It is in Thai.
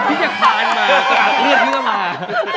พี่กระคาดมากระดเลือดไม่ก็ต้องกดเลือดเพียบ